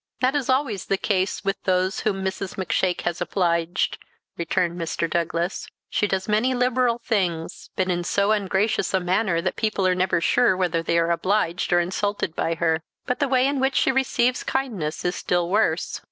"That is always the case with those whom Mrs. Macshake has obliged," returned Mr. Douglas. "She does many liberal things, but in so ungracious a manner that people are never sure whether they are obliged or insulted by her. But the way in which she receives kindness is still worse.